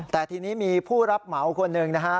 แต่ทีนี้มีผู้รับเหมาคนหนึ่งนะฮะ